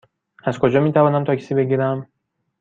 از کجا می توانم تاکسی بگیرم؟